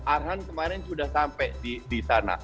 arhan kemarin sudah sampai di sana